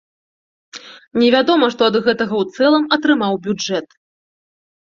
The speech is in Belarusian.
Невядома, што ад гэтага ў цэлым атрымаў бюджэт.